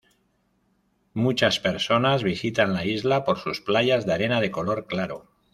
Muchas personas visitan la isla por su playas de arena de color claro.